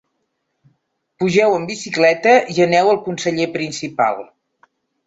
Pugeu en bicicleta i aneu al conseller principal.